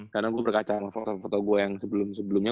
karena gue berkacau sama foto foto gue yang sebelum sebelumnya